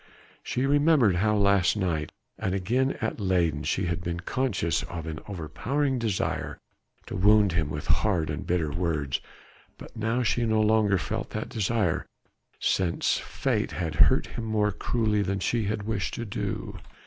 She remembered how last night and again at Leyden she had been conscious of an overpowering desire to wound him with hard and bitter words. But now she no longer felt that desire, since Fate had hurt him more cruelly than she had wished to do.